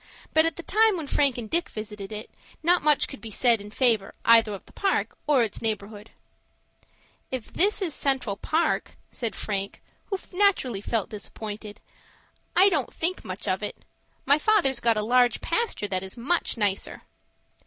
But at the time when Frank and Dick visited it, not much could be said in favor either of the Park or its neighborhood. "If this is Central Park," said Frank, who naturally felt disappointed, "I don't think much of it. My father's got a large pasture that is much nicer."